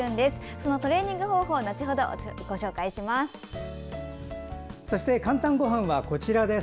そのトレーニング方法を後ほどご紹介します。